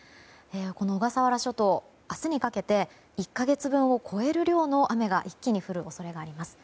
この小笠原諸島、明日にかけて１か月分を超える量の雨が一気に降る恐れがあります。